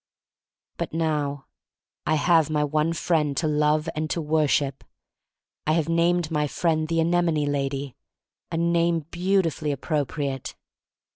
But now rhave my one friend to love and to worship. I have named my friend the "anem one lady, a name beautifully appro priate.